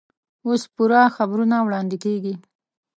اوس پوره خبرونه واړندې کېږي.